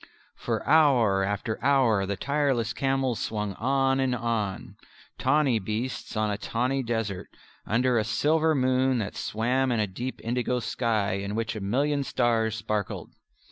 For hour after hour the tireless camels swung on and on, tawny beasts on a tawny desert, under a silver moon that swam in a deep indigo sky in which a million stars sparkled.